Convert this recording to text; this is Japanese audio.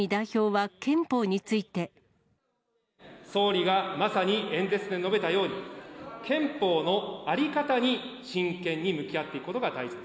総理がまさに演説で述べたように、憲法の在り方に真剣に向き合っていくことが大切。